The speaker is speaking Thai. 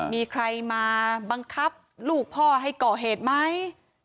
มีใครมาบังคับลูกพ่อให้ก่อเหตุไหม